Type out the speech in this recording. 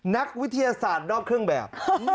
นักวิทยาศาสตร์นอกเครื่องแบบ